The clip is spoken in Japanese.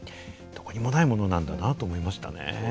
どこにもないものなんだなと思いましたね。